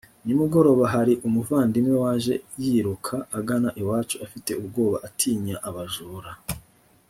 nimugoroba hari umuvandimwe waje yiruka agana iwacu afite ubwoba atinya abajura